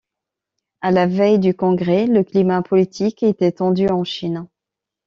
À la veille du congrès, le climat politique était tendu en Chine.